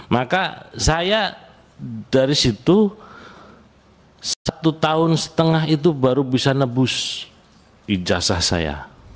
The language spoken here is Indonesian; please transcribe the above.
maka saya dari situ satu tahun setengah itu baru bisa nebus ijazah saya